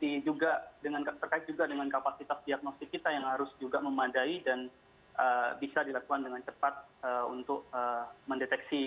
ini juga terkait juga dengan kapasitas diagnostik kita yang harus juga memadai dan bisa dilakukan dengan cepat untuk mendeteksi